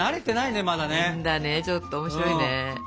ちょっと面白いね。